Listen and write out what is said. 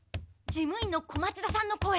事務員の小松田さんの声。